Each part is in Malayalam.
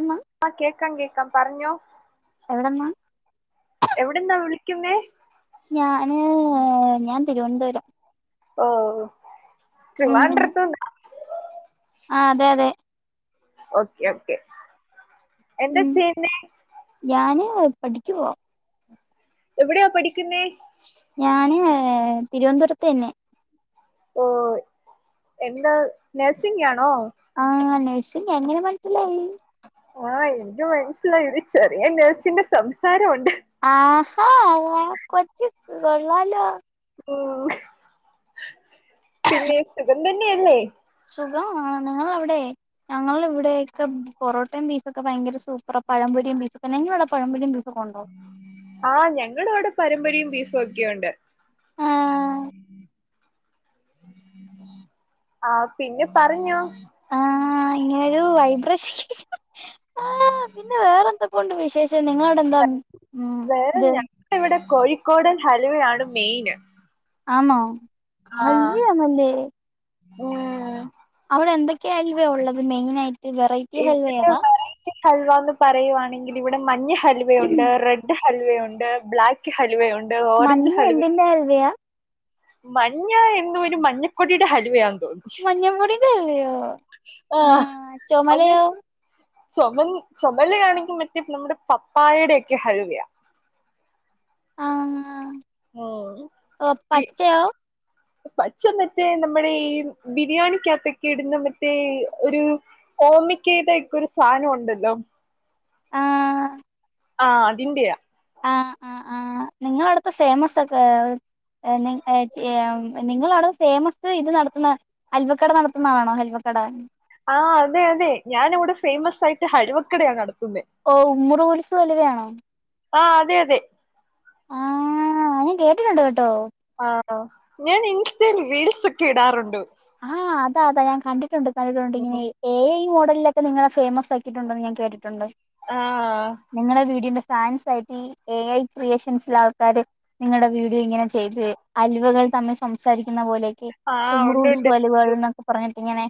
എന്നാ ആ കേക്കാം കേക്കാം പറഞ്ഞോ എവിടന്നാ എവിടെന്നാ വിളിക്കുന്നേ ഞാന് ഞാൻ ഓഫ് ഉം ആ അതെ അതെ ഓക്കെ ഓക്കെ എന്താ ഉം ചയ്യുന്നെ ഞാന് പഠിക്കുവാ എവിടെയാ പഠിക്കുന്നേ ഞാന് തിരുവനന്തപുരത്ത് തന്നെ ഓ എന്താ നഴ്സിംങ്ങാണോ ആഹ് നഴ്സിങ് എങ്ങനെ മനസ്സിലായി ആഹ എനിക്ക്മനസ്സിലായി ഒരു ചെറിയ നഴ്സിന്റെ സംസാരണ്ട് ആഹാ കൊച്ചകൊള്ളാല്ലോ ഉം പിന്നെ സുഖം തന്നെയല്ലേ സുഖം ആണ്നിങ്ങളവിടെ ഞങ്ങള ഇവിടക്കെ പൊറോട്ടയും ബീഫ്ക്കെ ഭയങ്കര സൂപ്പറാ പഴംപൊരിയും ബീഫൊക്കെ നിങ്ങളവിടെ പഴംപൊരിയും ബീഫൊക്കെ ഉണ്ടോ ആ് ഞങ്ങള ഇവിടെ പഴമ്പൊരിയും ബീഫും ഒക്കെയുണ്ട് ആ ആഹ് പിന്നെ പറഞ്ഞോ ആ ഹ്ഇങ്ങനെരു വൈബ്രേഷൻ ആ പിന്നെ വേറെന്തൊകെണ്ട് വിശേ ശേഷം നിങ്ങടവിടെഎന്താ വേറെ ഉംഇത് ഞങ്ങൾ ഇവിടെ കോഴിക്കോടൻ ഹലുവയാണ് മെയിന് ആന്നോ. ആ ഹൽവയാണല്ലേ ഉം അവിടെ എന്തൊക്കെയൽ വഉള്ളത് മെയിനായിട്ട് വെറൈറ്റി ഹൽവ ഇവിടെ ഏതാ വെറൈറ്റി ഹൽവാന്ന് പറയുവാണെങ്കിൽ ഇവിടെ മഞ്ഞ ഹൽവയുണ്ട് റെഡ് ഹൽവയുണ്ട് ബ്ലാക്ക് ഹൽവ യുണ്ട് ഓറഞ്ച് മഞ്ഞ ഹൽവയുണ്ട് എന്തിന്റെ ഹൽവയാ മഞ്ഞ എന്തോ ഒരു മഞ്ഞക്കൊടിയുടെ ഹൽവയാന്ന് തോന്നുന്നു മഞ്ഞ പൊടിൻ്റെആഹ ചുമലയോ ചുമൽ ചുമലആണെങ്കി മറ്റേ നമ്മുടെ പപ്പായടെക്കെ ഹലുവയാ ആഹ്ആഹ് ഓഹോ [inaudible] പച്ച മറ്റേ നമ്മുടെ ഈ ബിരിയാണിക്കകത്തൊക്കെ ഇടുന്ന മറ്റേ ഒരു ഓമക്കായുടെ ഒക്കെ ഒരു സാധനം ഉണ്ടല്ലോ ആഹ് ആഹ് അതിന്റെയാ ആഹ് ആഹ് ആഹ് നിങ്ങള് അവിടുത്തെ ഫേമസ് ഒക്കെ നിങ്ങള് അവിടെ ഫേമസ് ഇത് നടത്തുന്ന ഹൽവക്കട നടത്തുന്നതാണോ ഹൽവക്കട ആഹ് അതെ അതെ ഞാൻ ഇവിടെ ഫേമസ് ആയിട്ട് ഹൽവക്കടയാ നടത്തുന്നെ ഓ ഉമ്മുറ് കൊലുസ് ഹലുവയാണോ ആഹ് അതെ അതെ ആഹ് ഞാൻ കേട്ടിട്ടുണ്ട് കേട്ടോ ആഹ് ഞാൻ ഇൻസ്റ്റയിൽ റീൽസൊക്കെ ഇടാറുണ്ട് ആഹ് അതാ അതാ ഞാൻ കണ്ടിട്ടുണ്ട് കണ്ടിട്ടുണ്ട് ഇങ്ങനെ എ ഐ മോഡലിലൊക്കെ നിങ്ങളെ ഫേമസ് ആ ണ്ടെന്ന് ഞാൻ കേട്ടിട്ടുണ്ട് ആഹ് നിങ്ങളെ വീടിന്റെ ഫാൻസ് ആയിട്ട് ഈ എ ഐ ക്രിയേഷൻസില് ആൾക്കാര് നിങ്ങളുടെ വീഡിയോ ഇങ്ങനെ ചെയ്ത് അലുവകൾ തമ്മിൽ സംസാരിക്കുന്ന പോലെയൊക്കെ ആഹ് ഉണ്ട് ഉണ്ട് [unintelligible] എന്നൊക്കെ പറഞ്ഞിട്ട് ഇങ്ങനെ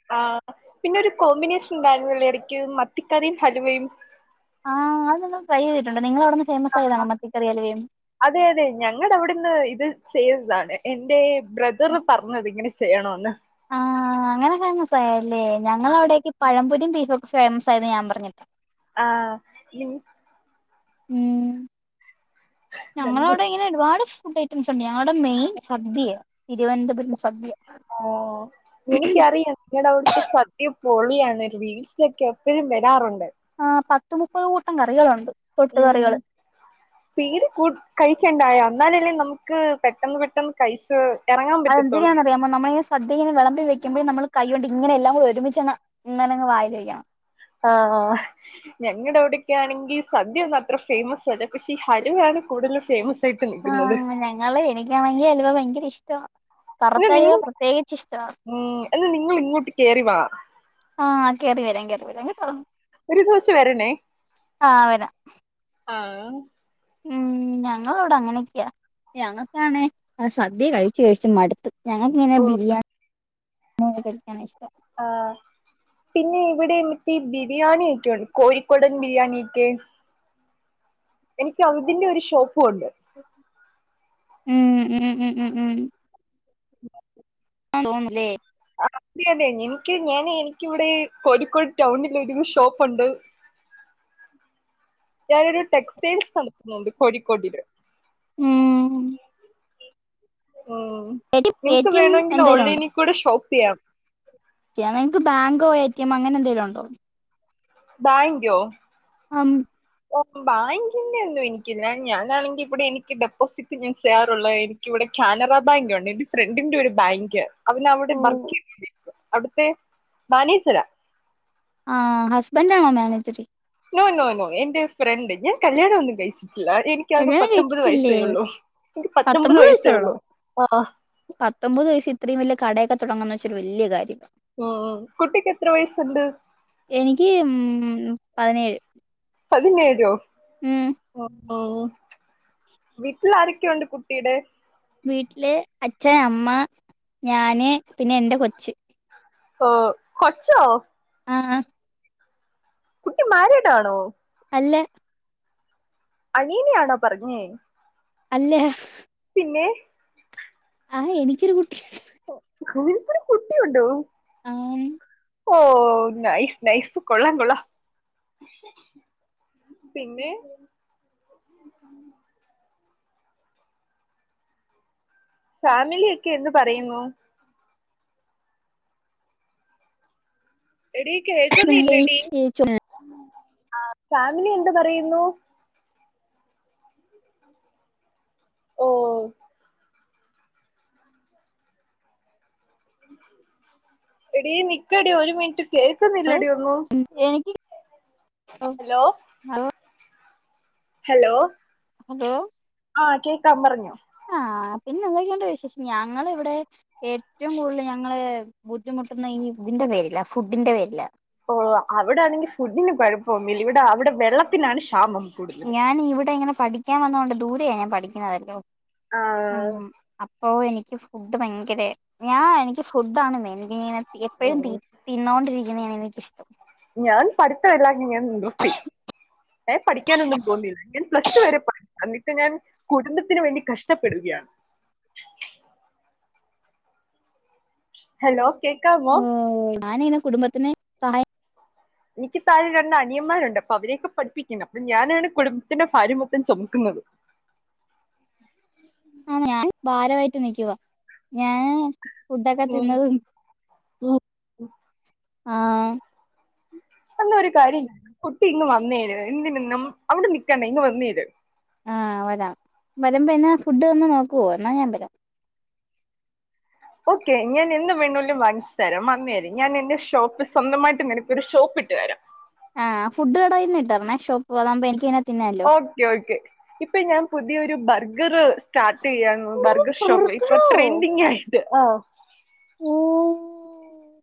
പിന്നൊരു കോമ്പിനേഷൻ ഉണ്ടായിരുന്നില്ലേ ഇടക്ക് മത്തിക്കറിയും ഹലുവയും ആഹ് അത് നമ്മൾ ട്രൈ ചെയ്തിട്ടുണ്ട് നിങ്ങള് അവിടുന്ന് ഫേമസ് ആയതാണോ മത്തിക്കറി അലുവയും അതെ അതെ ഞങ്ങടെ അവിടെന്ന് ഇത് ചെയ്തതാണ് എന്റെ ബ്രദറ് പറഞ്ഞത് ഇങ്ങനെ ചെയ്യണമെന്ന് ആഹ് അങ്ങനെ ഫേമസായല്ലേ ഞങ്ങളവിടേക്ക് പഴംപൊരിയും ബീഫൊക്കെ ഫേമസ് ആയെന്ന് ഞാൻ പറഞ്ഞിട്ടാ ആഹ് നി ഉം നന്ദു ഞങ്ങളവിടെ ഇങ്ങനെ ഒരുപാട് ഫുഡ് ഉണ്ട് സദ്യ ഞങ്ങടെ മെയിൻ സദ്യയാ തിരുവനന്തപുരം സദ്യ ആഹ് എനിക്കറിയാം നിങ്ങടെ അവിടുത്തെ സദ്യ പൊളിയാണ് റീൽസിലൊക്കെ എപ്പൊഴും വരാറുണ്ട് ആഹ് പത്ത് മുപ്പത് കൂട്ടം കറികളുണ്ട് തൊട്ട് ഉം കറികള് സ്പീഡ് കൂട്ടി കഴിക്കണ്ടായോ അന്നാലല്ലേ നമുക്ക് പെട്ടെന്ന് പെട്ടെന്ന് കഴിച്ച് എറങ്ങാൻ അത് പറ്റത്തുള്ളൂ എന്തിനാന്ന് അറിയാം നമ്മളീ സദ്യ ഇങ്ങനെ വിളമ്പി വെക്കുമ്പോ നമ്മള് കൈ കൊണ്ട് ഇങ്ങനെയെല്ലാം കൂടെ ഒരുമിച്ച് ഇങ്ങനങ്ങ് വായി വയ്ക്കണം ആഹ് ഹാ ഞങ്ങടെ അവിടൊക്കെ ആണെങ്കിൽ സദ്യ ഒന്നും അത്ര ഫേമസ് അല്ല പക്ഷെ ഈ ഹലുവയാണ് കൂടുതലും ഫേമസ് ആയിട്ട് ആഹ് നിക്കുന്നത് അങ്ങനെ ഞങ്ങള് എനിക്കാണെങ്കി അലുവ ഭയങ്കര ഇഷ്ടമാ എന്നാ നിങ്ങള് ഉം എന്നാ നിങ്ങള് ഇങ്ങോട്ട് കേറി വാ ആഹ് കേറി വരാം കേറി വരാം കേട്ടോ ഒരു ദിവസം വരണേ ആഹ് വരാം ആഹ് ഉം ഞങ്ങളവിടെ അങ്ങനെയൊക്കെയാ ഞങ്ങൾക്കാണെ സദ്യ കഴിച്ച് കഴിച്ച് മടുത്ത് ഞങ്ങക്കിങ്ങനെ ബിരിയാണി കഴിക്കാനാ ഇഷ്ടം ആഹ് പിന്നെ ഇവിടെ എന്നിട്ടീ ബിരിയാണിയൊക്കെയുണ്ട് കോഴിക്കോടൻ ബിരിയാണിയൊക്കെ എനിക്ക് അതിന്റെ ഒരു ഷോപ്പും ഉണ്ട് ഉം ഉം ഉം ഉം ഉം [inaudible] തോന്നല്ലേ ആഹ് അതെ അതെ എനിക്ക് ഞാന് എനിക്കിവിടെ കോഴിക്കോട് ടൗണില് ഒരു ഷോപ്പുണ്ട് ഞാനൊരു ടെക്സ്റ്റൈൽസ് നടത്തുന്നുണ്ട് കോഴിക്കോട്ടില് ഉം ഉം എ ടി എ നിങ്ങക്ക് ടി എം വേണമെങ്കില് എന്തേലും ഓൺലൈനിൽ കൂടെ ഷോപ്പ് ചെയ്യാം ചെയ്യാം നിങ്ങൾക്ക് ബാങ്കോ എ ടി എം അങ്ങനെ എന്തെങ്കിലും ഉണ്ടോ ബായ്ങ്കോ ആം ബായിങ്കിന്റെ ഒന്നും എനിക്കില്ല ഞാനാണെങ്കിൽ ഇവിടെ എനിക്ക് ഡെപ്പോസിറ്റ് ഞാൻ ചെയ്യാറുള്ള യ് ഇവിടെ കാനറ ബായ് ങ്ക് ഉണ്ട് എന്റെ ഫ്രണ്ടിന്റെ ഒരു ബായ്ങ്ക് അവനവിടെ ബർ ക്ക്ചെയ അവിടുത്തെ മാനേജര ആഹ് ഹസ്ബൻഡ് ആണോ മാനേജര് നോ നോ നോ എന്റെ ഫ്രണ്ട് ഞാൻ കല്യാണം ഒന്നും കഴിച്ചിട്ടില്ല എനി എനിക്ക്ആക കല്യാണം പത്തൊമ്പത് വയസ്സേ കഴിച്ചിട്ടില്ലേ ഉള്ളു എനിക്ക് പത്തൊമ്പത് വയസ്സേ ഉള്ളു ആഹ് പത്തൊമ്പത് വയസ് ഇത്ര വലിയൊരു കടയൊക്കെ തുടങ്ങാന്ന് വെച്ചൊരു വലിയ കാര്യമാണ് ഓ ഹൊ കുട്ടിക്ക് എത്ര വയസ്സുണ്ട്? എനിക്ക് ഉം പതിനേഴ് പതിനേഴോ? ഉം ഹൊ വീട്ടിലാരക്കെണ്ട് കുട്ടിടെ? വീട്ടില് അച്ഛൻ അമ്മ ഞാന് പിന്നെ എന്റെ കൊച്ച് ഓ കൊച്ചോ? ആഹാ കുട്ടി മാരിയ്ഡ് ആണോ? അല്ലെ? അനീയനാണോ പറഞ്ഞേ? അല്ല പിന്നെ? ആഹ് എനിക്കൊരു കുട്ടി ഓ ന്ക്കൊരു കുട്ടിയുണ്ടോ? [unintelligible] ഓ നൈസ് നൈസ് കൊള്ളാ കൊള്ളാം പിന്നെ? ഫാമിലിയൊക്കെ എന്ത്പറയുന്നു. എടി നിങ്ങളെ കേൾക്കുന്നില്ലടി ഫാമിലി എന്ത് പറയുന്നു. ഓഹൊ എടി നിക്കടി ഒരു മിനിറ്റ് കേക്കുന്നില്ല ടി ഒന്നും. എനിക്ക് ഹലോ? ഹലോ? ഹലോ? ആഹ് കേക്കാം പറഞ്ഞോ? ആ പിന്നെ എന്തൊക്കെണ്ട് വിശേഷം. ഞങ്ങള് വടെ ഏറ്റവും കൂടുതല് ഞങ്ങള് ബുദ്ധിമുട്ട്ന്ന ഈ ഇതിന്റെ പേരില്ല. ഫുഡിന്റെ പേരില്ല. ഓ അവിടെ ആണെങ്കിൽ ഫുഡിന് കുഴപ്പമില്ല. ഇവിടെ അവിടെ വെള്ളത്തിനാണ് ക്ഷാമം കൂടുന്നത്. ഞാൻ ഇവിടെ ഇങ്ങനെ പഠിക്കാൻ വന്നതോണ്ട് ദൂരെയ ഞാൻ പഠിക്കണതല്ലോ ആ ഹും ഹും അപ്പോ എനിക്ക് ഫുഡ് ഭയങ്കര ഞാൻ എനിക്ക് ഫുഡാണ് [unintelligible] എപ്പഴും ഉം, തിന്നോണ്ടിരിക്കുന്നതാണ് എനിക്കിഷ്ടം ഞാൻ പഠിത്ത എല്ലാം ഞാൻ നിർത്തി ഞാൻപഠിക്കാനൊന്നും പോന്നുന്നില്ല. ഞാൻ പ്ലസ് ടു വരെ പോയി എന്നിട്ട് ഞാൻ കുടുംബത്തിന് വേണ്ടി കഷ്ടപ്പെടുകയാണ്. ഹലോ കേക്കാ മോ? ഓ ഞാനിങ്ങനെ കുടുംബത്തിന് സഹായി എനിക്ക് താഴെരണ്ട് അനിയന്മാരുണ്ട്. അപ്പൊ അവരൊ യൊക്കെ പഠിപ്പിക്കണം അപ്പൊ ഞാനാണ് കുടുംബത്തിന്റെ ഭാരംമൊത്തം ചുമക്കുന്നത്. ആഹാ ഞാൻ ഭാരമായിട്ട് നിക്കൂവാ ഞാൻ ഫുഡൊക്കെ ഉം. തിന്നതും ഉം. ആഹാ അതൊന്നുംകാര്യല്ല കുട്ടി ഇങ്ങ് വന്നേര്. എന്തിന്നും നമ്മഅവിടെ നിക്കണ്ട ഇങ്ങ് വന്നേര് ആഹ് വരാം വരുമ്പോ എന്നാ ഫുഡ് തന്ന് നോക്കുവോ ന്നാ ഞാൻ വരാം ഓക്കെ ഞാൻ എന്ത് വേണാലും വാങ്ങിച്ച്തരാം വന്നെര് ഞാൻ എന്റെ ഷോപ്പ് സ്വന്തമായിട്ട് നിനകൊരു ഷോപ്പ്ട്ട് തരാം. ആഹ് ഫുഡ് കടായിന്ന്ട്ടാ ന്നഷോപ്പ് പോകൂമ്പോ നിക്കനെ തിന്നല്ലോ. ഓകെ ഓകെ ഇപ്പൊ ഞാൻ പുതിയൊ ഒരു ബർഗറ് സ്റ്റാർട്ട് ചെയ്യാൻ ഓ ബർഗർ ഷോപ്പ്. ഇപ്പൊ ബർഗറോ ട്രെൻഡിങ് ആയിട്ട് ആഹ് [unintelligible]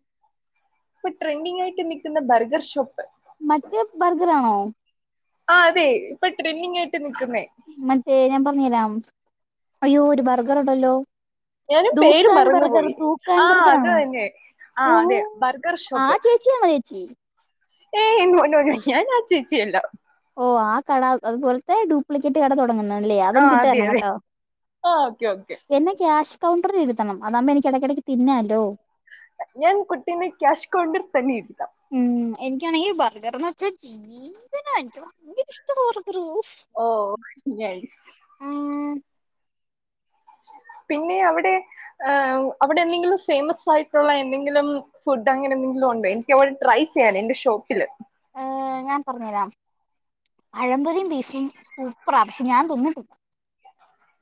ഇപ്പൊ ട്രെൻഡിങ് ആയിട്ട് നിക്കുന്ന ബർഗർ ഷോപ്പ് മറ്റേ ബർഗറണോ? ആഹ് അതെ ഇപ്പൊ ട്രെന്നിങ്ങായിട്ട് നിക്ക്ന്നേ മറ്റേ ഞാൻ പറഞ്ഞരാം അയ്യോ ഒരു ബർഗർ ഉണ്ടല്ലോ ഞാനും പേര് ദൂക്കാൻ ബർഗർ മറന്നുപോയി തൂക്കാൻ ആ ബർഗർ അത് ആണോ തന്നെ ആ അതെ ബർഗർ ഷോപ്പ് ആഹ് ചേച്ചി ച്ചിയാണോ ചേച്ചി ഏയ് നോ നോ ഞാൻ ആഹ് ചേച്ചിയല്ല ഓഹ് ആഹ് കട അതുപോലത്തെ ഡ്യൂപ്ലിക്കേറ്റ് കട തുടങ്ങുന്നത് ഇല്ലേ ആ അതെനിക്കിട്ട് അതെ തരണം അതെ കേട്ടോ ആ ഓക്കെ ഓക്കെ എന്നെ ക്യാഷ് കൗണ്ടറിൽ ഇരുത്തണം അതാവുമ്പോ എനിക്ക് ഇടക്കിടക്ക് തിന്നാലോ ഞാൻ കുട്ടീനെ ക്യാഷാ കൗണ്ടറിൽ തന്നെ ഇരുത്താം ഉം എനിക്കാണെങ്കിൽ ബർഗർന്ന് വെച്ചാ ജീവനാ എനിക്ക് ഭയങ്കര ഇഷ്ടവാ ബർഗറ് ഓഹ് നൈസ് പിന്നെ അവിടെ അവിടെ എന്തെങ്കിലും ഫേമസ് ആയിട്ടുള്ള എന്തെങ്കിലും ഫുഡ് അങ്ങനെ എന്തെങ്കിലും ഉണ്ടോ എനിക്കവിടെ ട്രൈ ചെയ്യാനാ എന്റെ ഷോപ്പില് ഏഹ് ഞാൻ പറഞ്ഞു തരാം പഴംമ്പൊരിയും ബീഫും സൂപ്പറാ പക്ഷെ ഞാൻ തിന്നിട്ടില്ല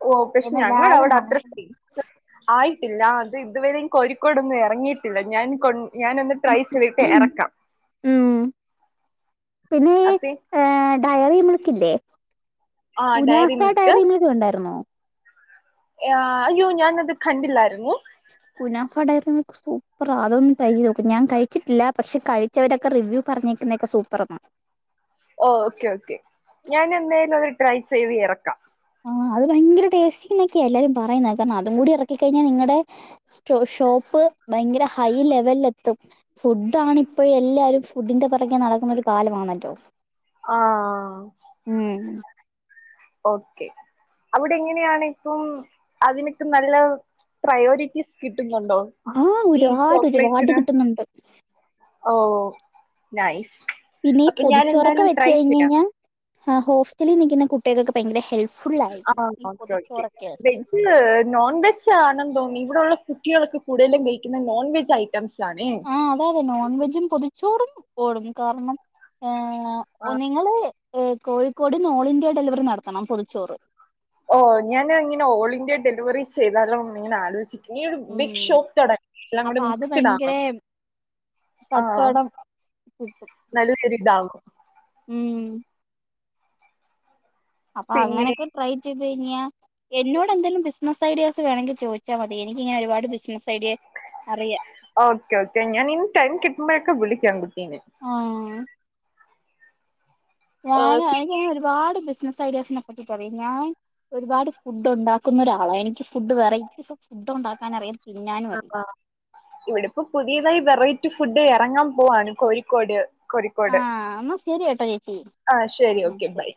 ഓഹ് പക്ഷെ എന്ന് എല്ലാരും ഞങ്ങളവിടെ അത്ര പറഞ്ഞു ഫെയി മസ് ആയിട്ടില്ല അത് ഇതുവരെയും കോഴിക്കോടൊന്നും ഇറങ്ങിയിട്ടില്ല ഞാൻ കൊ ഞാന് ഒന്ന് ട്രൈ ചെയ്തിട്ട് ഇറക്കാം ഉം പിന്നെ അപ്പേ ഈ ഡയറി മിൽക്കില്ലേ ആ ഡയറി കുനാഫ മിൽക്ക് ഡയറിമിൽക്ക് കണ്ടായിരുന്നോ ആഹ് അയ്യോ ഞാന് അത് കണ്ടില്ലായിരുന്നു ഗുനാഫ ഡയറി മിൽക്ക് സൂപ്പറാ അതൊന്ന് ട്രൈ ചെയ്ത് നോക്കൂ ഞാൻ ക ഴിച്ചിട്ടില്ല പക്ഷെ കഴിച്ചവരൊക്കെ റിവ്യൂ പറഞ്ഞേക്കുന്നതൊക്കെ സൂപ്പർന്നാണ് ഓഹ് ഓക്കെ ഓക്കെ ഞാൻ എന്തായാലും അത് ട്രൈ ചെയ്ത് ഇറക്കാം ആഹ് അത് ഭയങ്കര ടേസ്റ്റിയിന്നൊക്കെയാ എല്ലാരും പറയുന്നത് കാരണം അതും കൂടി ഇറക്കി കഴിഞ്ഞാൽ നിങ്ങളുടെ ഷോപ്പ് ഭയങ്കര ഹൈ ലെവലില് എത്തും ഫുഡ് ആണ് ഇപ്പോ എല്ലാരും ഫുഡിന്റെ പുറകെ നടക്കുന്ന ഒരു കാലമാണല്ലോ ആഹ് ഉം ഓക്കെ അവിടെ എങ്ങനെയാണ് ഇപ്പം അതിനൊക്കെ നല്ല പ്രയോരിറ്റീസ് കിട്ടുന്നുണ്ടോ ആഹ് ഈ ഒരുപാട് ഒരുപാട് ചോക്ലേറ്റ്സിന് കിട്ടുന്നുണ്ട് ഓഹ് നൈസ് പിന്നെ ഈ അപ്പൊ ഞാൻ പൊതിച്ചോറൊക്കെ എന്തായാലും വെച്ച് ട്രൈ കഴിഞ്ഞ് ചെയ്യാം കഴിഞ്ഞാൽ ഹോസ്റ്റലിൽ നിൽക്കുന്ന കുട്ടികൾക്കൊക്കെ ഭയങ്കര ഹെൽപ് ആഹ് ഓക്കെ ഓക്കെ വെജി ഇന്ന് നോൺവെജ് ആണെന്ന് തോന്നുന്ന് ഇവിടൊള്ള കുട്ടികളൊക്കെ കൂടുതലും കഴിക്കുന്ന നോൺവെജ് ഐറ്റംസ് ആണേ ആഹ് അത് അതെ നോൺ വെജും പൊതിച്ചോറും ഓടും കാരണം ആഹ് നിങ്ങള് ഏഹ് കോഴിക്കോട്ന്ന് ഓൾ ഇന്ത്യ ഡെലിവറി നടത്തണം പൊതിച്ചോറ് ഓഹ് ഞാൻ ഇങ്ങനെ ഓൾ ഇന്ത്യ ഡെലിവറി ചെയ്താലോ എന്നിങ്ങനെ ആലോചി നീ ഒരു ഉം ബിഗ് ഷോപ്പ് തുടങ്ങ് എല്ലാം കൂടി അപ്പൊ അത് മിക്സട് ഭയങ്കര ആയി ആഹ് കച്ചവടം കിട്ടും നല്ല ഒരിത് ആകും ഉം അപ്പൊ പിന്നെ അങ്ങനെയൊക്കെ ട്രൈ ചെയ്ത് കഴിഞ്ഞാ എന്നോട് എന്തെങ്കലും ബിസിന സ്സ് ഐഡിയാസ് വേണമെങ്കിൽ ചോദിച്ചാൽ മതി എനിക്കിങ്ങനെ ഒരുപാട് ബിസിനസ് ഐഡിയാസ് അറിയാം ഓക്കെ ഓക്കെ ഞാൻ ഇന്ന് ടൈം കിട്ടുമ്പോഴൊക്കെ വിളിക്കാം കുട്ടീനെ ആഹ് ഏ, ഞാൻ എനിക്ക് ഒരുപാട് ബിസിനസ് ഐഡിയാസിനെ പറ്റി പറയും ഞാൻ ഒരുപാട് ഫുഡ് ഉണ്ടാക്കുന്ന ഒരാളാണ് എനിക്ക് ഫുഡ് വെറൈറ്റീസ് ഓഫ് ഫുഡ് ഉണ്ടാക്കാൻ അറിയാം തിന്നാനും അറിയാം ആഹ് ഇവിടിപ്പോ പുതിയതായി വെറൈറ്റി ഫുഡ് ഇറങ്ങാൻ പോവാണ് കോഴിക്കോട് ആ കോഴിക്കോട് എന്നാ ശരി കേട്ടോ ചേച്ചി ആഹ് ശെരി ഉം ഓക്കെ ശരി ബൈ